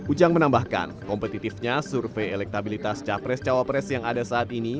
ujang menambahkan kompetitifnya survei elektabilitas capres cawapres yang ada saat ini